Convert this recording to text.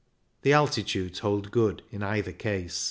The altitudes hold good in either case.